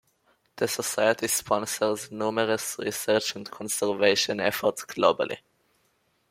The society sponsors numerous research and conservation efforts globally.